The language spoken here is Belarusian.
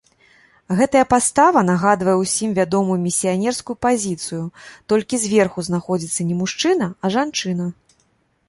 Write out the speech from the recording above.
Гэтая пастава нагадвае ўсім вядомую місіянерскую пазіцыю, толькі зверху знаходзіцца не мужчына, а жанчына.